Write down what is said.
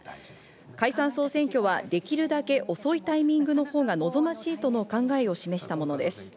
解散総選挙はできるだけ遅いタイミングの方が望ましいとの考えを示したものです。